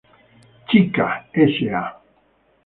Chica, Sa.